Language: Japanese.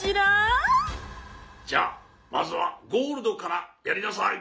じゃあまずはゴールドからやりなさい。